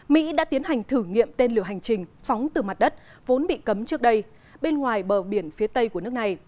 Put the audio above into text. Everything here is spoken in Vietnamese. mỹ đã tiến hành thử nghiệm tên lửa hành trình phóng từ mặt đất vốn bị cấm trước đây bên ngoài bờ biển phía tây của nước này